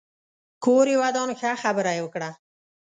کور يې ودان ښه خبره يې وکړه